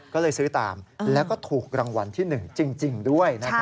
ก็เลยซื้อตามแล้วก็ถูกรางวัลที่๑จริงด้วยนะครับ